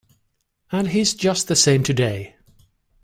And he's just the same today.